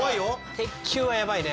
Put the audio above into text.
鉄球はヤバいね。